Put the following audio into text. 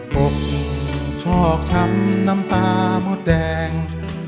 กบชอกช้ำน้ำตามดแดง